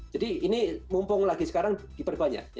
jadi ini mumpung lagi sekarang diperbanyak